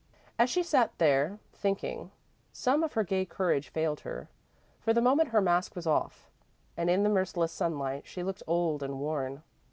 As she sat there, thinking, some of her gay courage failed her. For the moment her mask was off, and in the merciless sunlight, she looked old and worn.